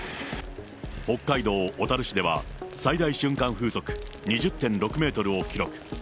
北海道小樽市では、最大瞬間風速２０．６メートルを記録。